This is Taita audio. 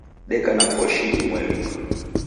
Deka na koshi imweri.